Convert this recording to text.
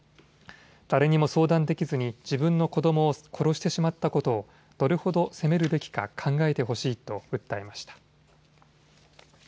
誰にも相談できずに自分の子どもを殺してしまったことをどれほど責めるべきか考えてほしいと訴えました。